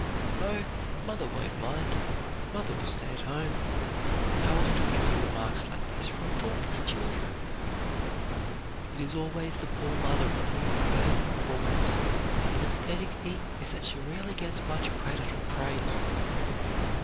"Oh, mother won't mind, mother will stay at home." How often we hear remarks like this from thoughtless children! It is always the poor mother on whom the burden falls; and the pathetic thing is that she rarely gets much credit or praise.